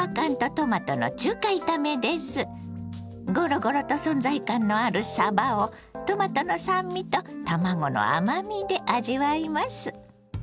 ごろごろと存在感のあるさばをトマトの酸味と卵の甘みで味わいます。